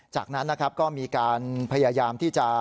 จากนั้นนะครับก็มีการพยายามที่จะ